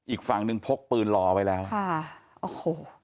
อีกฝั่งหนึ่งพกปืนรอไว้แล้วค่ะโอ้โห